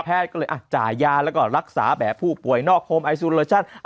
แพทย์อาจจะยาและก่อนแล้วก็รักษาแบบผู้ป่วยนอกโฮมไอซูเลอชัน